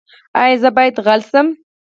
ایا زه باید غل شم؟